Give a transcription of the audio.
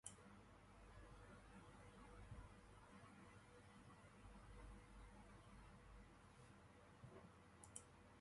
He was uncommonly tall and strong and somewhat stricken in years.